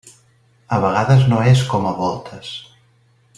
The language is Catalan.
A vegades no és com a voltes.